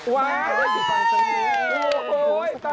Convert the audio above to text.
บ้านพี่อยู่ฟังศักดิ์นอน